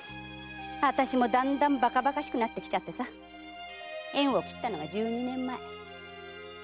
あたしもだんだんバカバカしくなってきちゃって縁を切ったのが十二年前。